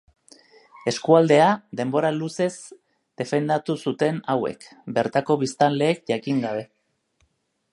Eskualdea, denbora luzez defendatu zuten hauek, bertako biztanleek jakin gabe.